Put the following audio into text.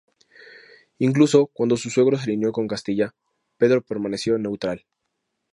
Incluso cuando su suegro se alineó con Castilla, Pedro permaneció neutral.